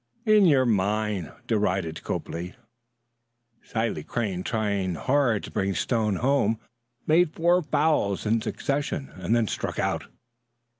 "In your mind," derided Copley. Sile Crane, trying hard to bring Stone home, made four fouls in succession, and then struck out.